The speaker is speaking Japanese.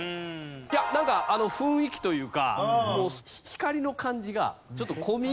なんかあの雰囲気というか光の感じがちょっと込み入った